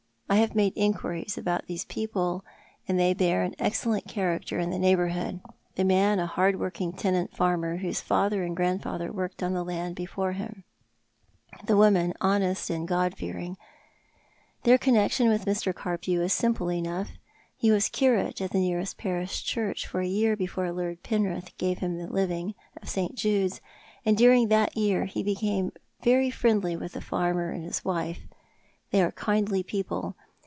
I have made inquiries about these people, and they bear an excellent character in the neighbourhood — the man a hard working tenant farmer, whose father and grandfather worked on the land before him; the woman honest and God fearing. Their connection with Mr. Carpew is simple enough. He was curate at the nearest parish church for a year before Lord Penrith gave him the living of St. Jude's, and during that year he became very friendly with the farmer and his wife. They are kindly people.